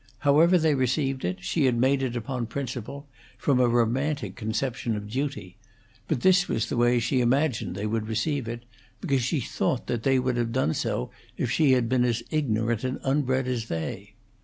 However they received it, she had made it upon principle, from a romantic conception of duty; but this was the way she imagined they would receive it, because she thought that she would have done so if she had been as ignorant and unbred as they.